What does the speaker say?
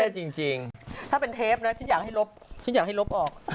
ฉันอยากให้ลบออก